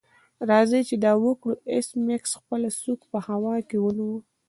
راځئ چې دا وکړو ایس میکس خپله سوک په هوا کې ونیو